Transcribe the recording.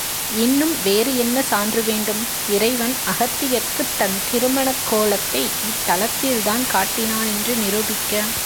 இன்னும் வேறு என்ன சான்று வேண்டும், இறைவன் அகத்தியர்க்குத் தன் திருமணக்கோலத்தை இத்தலத்தில்தான் காட்டினான் என்று நிரூபிக்க?